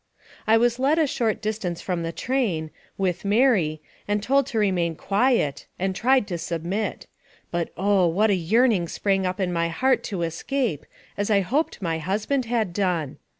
I was led a short distance from the wagon, with Mary, and told to remain quiet, and tried to submit ; but oh, what a yearning sprang up in my heart to escape, as I hoped my husband had done!